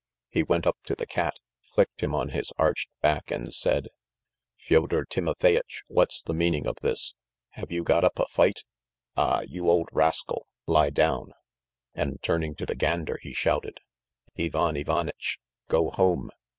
He went up to the cat, flicked him on his arched back, and said: "Fyodor Timofeyitch, what's the meaning of this? Have you got up a fight? Ah, you old rascal! Lie down!" And turning to the gander he shouted: "Ivan Ivanitch, go home!"